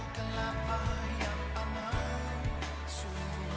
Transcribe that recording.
tuhan di atasku